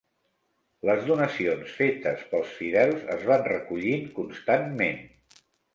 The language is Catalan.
Les donacions fetes pels fidels es van recollint constantment.